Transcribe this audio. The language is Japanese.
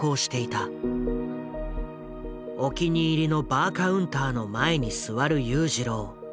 お気に入りのバーカウンターの前に座る裕次郎。